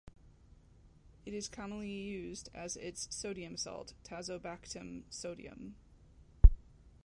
It is commonly used as its sodium salt, tazobactam sodium.